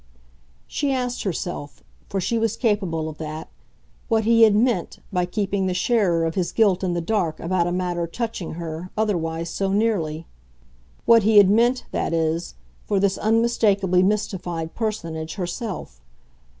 She asked herself for she was capable of that what he had MEANT by keeping the sharer of his guilt in the dark about a matter touching her otherwise so nearly; what he had meant, that is, for this unmistakably mystified personage herself.